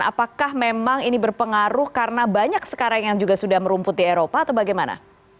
apakah memang ini berpengaruh karena banyak sekarang yang juga sudah merumput di eropa atau bagaimana